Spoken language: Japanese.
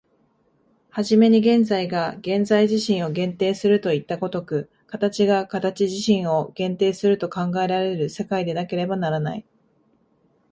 始めに現在が現在自身を限定するといった如く、形が形自身を限定すると考えられる世界でなければならない。